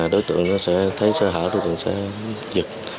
đối tượng sẽ thấy sơ hở đối tượng sẽ giật